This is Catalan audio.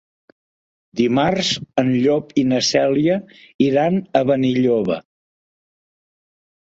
Dimarts en Llop i na Cèlia iran a Benilloba.